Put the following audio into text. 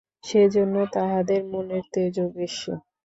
সেজন্য তাহাদের মনের তেজও বেশী।